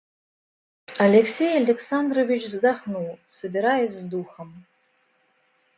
Алексей Александрович вздохнул, собираясь с духом.